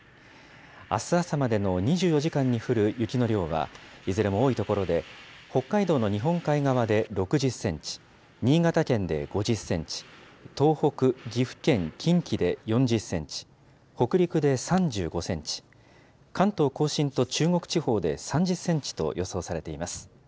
あす朝までの２４時間に降る雪の量は、いずれも多い所で、北海道の日本海側で６０センチ、新潟県で５０センチ、東北、岐阜県、近畿で４０センチ、北陸で３５センチ、関東甲信と中国地方で３０センチと予想されています。